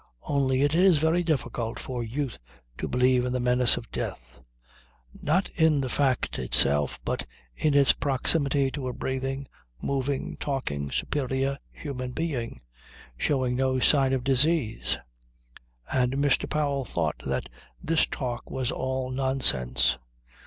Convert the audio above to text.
Only it is very difficult for youth to believe in the menace of death. Not in the fact itself, but in its proximity to a breathing, moving, talking, superior human being, showing no sign of disease. And Mr. Powell thought that this talk was all nonsense.